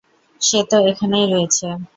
সে তো এখানেই রয়েছে।